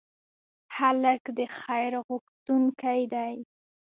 هلک د خیر غوښتونکی دی.